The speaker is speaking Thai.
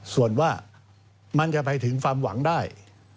ส่วนว่ามันจะไปถึงความหวังได้